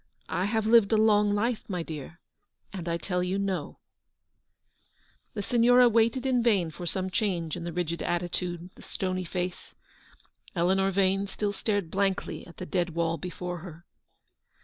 I have lived a long life, my dear, and I tell you no !" The Signora waited in vain for some change in the rigid attitude, the stony face. Eleanor Vane still stared blankly at the dead wall before her.